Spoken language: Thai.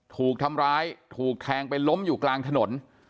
ถูกทำร้ายถูกแทงไปล้มอยู่กลางถนน